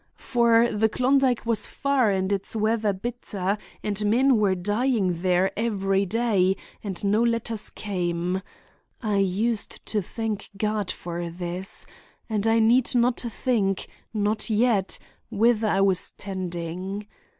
For the Klondike was far and its weather bitter, and men were dying there every day, and no letters came (I used to thank God for this), and I need not think—not yet—whither I was tending.